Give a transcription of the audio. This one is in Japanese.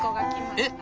えっ？